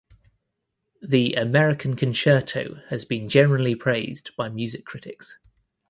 The "American Concerto" has been generally praised by music critics.